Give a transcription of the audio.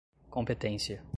competência